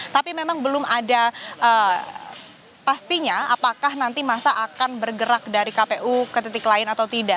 tapi memang belum ada pastinya apakah nanti masa akan bergerak dari kpu ke titik lain atau tidak